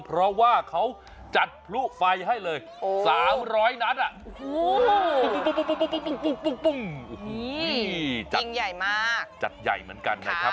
เพราะว่าเขาจัดพลุไฟให้เลย๓๐๐นัดอ่ะจัดใหญ่เหมือนกันครับ